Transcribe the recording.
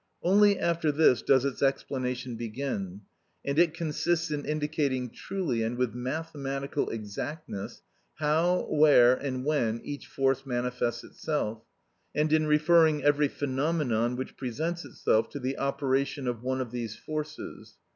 Only after this does its explanation begin, and it consists in indicating truly and with mathematical exactness, how, where and when each force manifests itself, and in referring every phenomenon which presents itself to the operation of one of these forces.